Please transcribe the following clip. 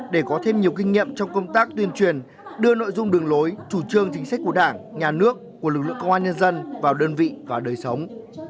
để có thêm nhiều kinh nghiệm trong công tác tuyên truyền đưa nội dung đường lối chủ trương chính sách của đảng nhà nước của lực lượng công an nhân dân vào đơn vị và đời sống